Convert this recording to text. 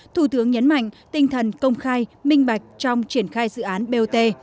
thủ tướng nhấn mạnh tinh thần công khai minh bạch trong triển khai dự án bot